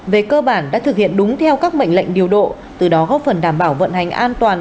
về cơ bản đã thực hiện đúng theo các mệnh lệnh điều độ từ đó góp phần đảm bảo vận hành an toàn